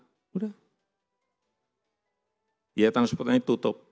sudah biaya transportasinya tutup